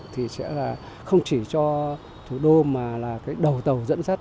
thì sẽ là không chỉ cho thủ đô mà là cái đầu tàu dẫn dắt